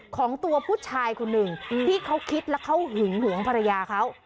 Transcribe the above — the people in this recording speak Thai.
ของตัวผู้ชายคนหนึ่งที่เขาคิดแล้วเขาหึงหวงภรรยาเขา